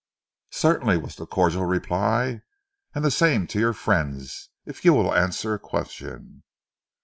"Certainly," was the cordial reply, "and the same to your friends, if you will answer a question."